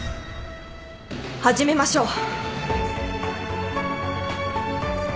始めましょう。